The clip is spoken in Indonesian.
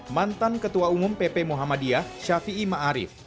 mantan ketua umum pp muhammadiyah syafi'i ma'arif